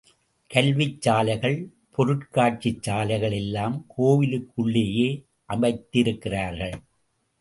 கல்விச் சாலைகள், பொருட்காட்சிச் சாலைகள் எல்லாம் கோயிலுக்குள்ளேயே அமைத்திருக்கிறார்கள்.